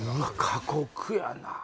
過酷やな